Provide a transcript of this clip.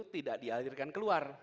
tidak di alirkan keluar